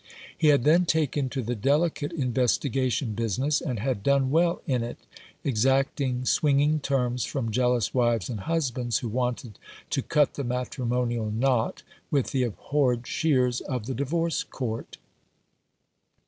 He had then taken to the delicate investigation business, and had done well in it, exacting swinging terms from jealous wives and husbands who wanted to cut the matrimonial knot with the "abhorred shears " of the Divorce Court.